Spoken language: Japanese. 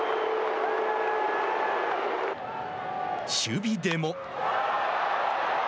守備でも。